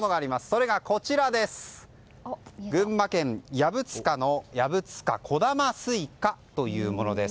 それが、群馬県藪塚の藪塚こだま西瓜というものです。